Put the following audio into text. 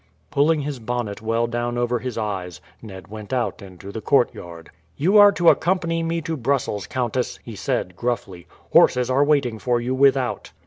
Pulling his bonnet well down over his eyes, Ned went out into the courtyard. "You are to accompany me to Brussels, countess," he said gruffly. "Horses are waiting for you without."